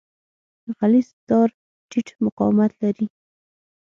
غلیظ تار ټیټ مقاومت لري.